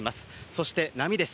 そして波です。